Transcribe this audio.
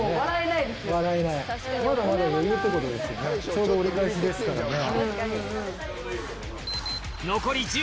ちょうど折り返しですからね。